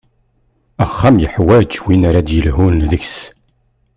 Axxam-a yeḥwaǧ win ara ad d-yelhun deg-s.